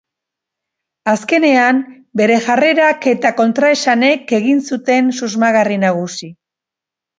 Azkenean, bere jarrerak eta kontraesanek egin zuten susmagarri nagusi.